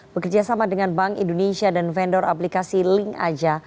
bekerjasama dengan bank indonesia dan vendor aplikasi linkaja